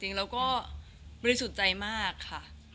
จริงแล้วก็บริสุทธิ์ใจมากค่ะ